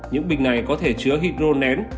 những bình này có thể chứa hydro nén